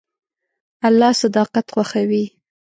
الله صداقت خوښوي.